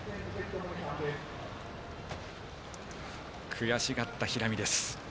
悔しがった平見です。